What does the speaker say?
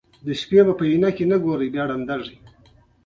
د دې نظریې پر بنسټ اقتصاد هغه علم دی.